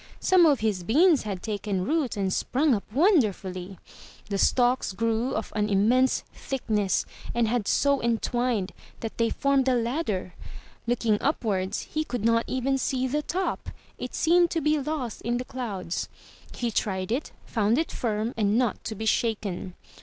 Some of his beans had taken root and sprung up wonderfully. The stalks grew of an immense thickness, and had so entwined that they formed a ladder. Looking upwards, he could not even see the top; it seemed to be lost in the clouds. He tried it, found it firm and not to be shaken.